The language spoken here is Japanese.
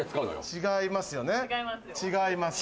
違いますよ。